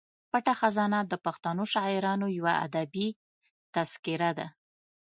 پټه خزانه د پښتنو شاعرانو یوه ادبي تذکره ده.